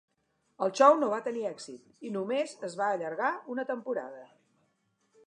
El xou no va tenir èxit i només es va allargar una temporada.